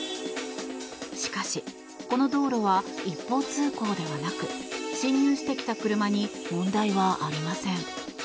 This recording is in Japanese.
しかし、この道路は一方通行ではなく進入してきた車に問題はありません。